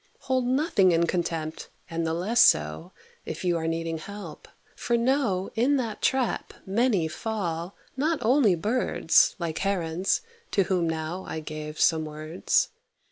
Hold nothing in contempt, and the less so, If you are needing help, for know In that trap many fall, not only birds, Like Herons, to whom now I gave some words.